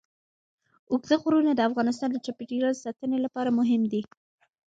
اوږده غرونه د افغانستان د چاپیریال ساتنې لپاره مهم دي.